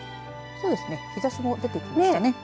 そうですね日ざしも出てきましたね。